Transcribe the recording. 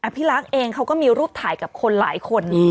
พี่รักเองเขาก็มีรูปถ่ายกับคนหลายคน